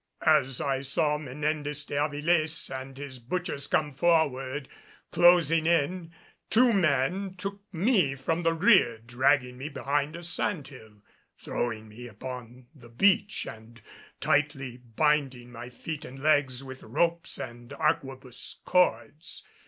As I saw Menendez de Avilés and his butchers come forward, closing in, two men took me from the rear, dragging me behind a sand hill, throwing me upon the beach and tightly binding my feet and legs with ropes and arquebus cords.